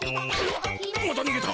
またにげた。